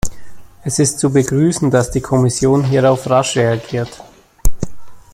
Es ist zu begrüßen, dass die Kommission hierauf rasch reagiert.